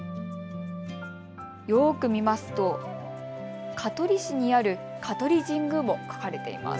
よく見ますと香取市にある香取神宮も書かれています。